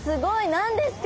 何ですか？